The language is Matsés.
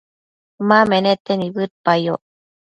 ma menete nibëdpayoc